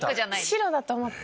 白だと思った。